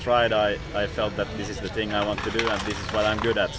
saya merasa ini adalah hal yang saya inginkan lakukan dan ini adalah hal yang saya baikkan